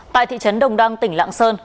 tại thị trấn đồng đăng tỉnh lạng sơn